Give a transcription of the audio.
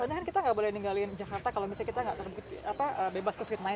padahal kan kita nggak boleh ninggalin jakarta kalau misalnya kita nggak bebas covid sembilan belas